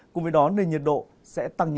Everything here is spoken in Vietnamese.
cùng với đó nền nhiệt độ sẽ tăng nhẹ